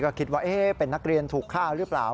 ก็คิดว่าเป็นนักเรียนถูกฆ่าหรือเปล่า